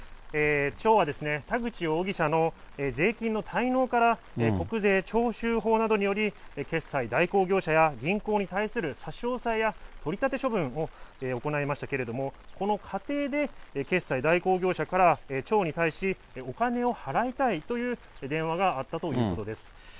町は田口容疑者の税金の滞納から国税徴収法などにより、決済代行業者や銀行に対する差し押さえや、取り立て処分を行いましたけれども、この過程で、決済代行業者から町に対し、お金を払いたいという電話があったということです。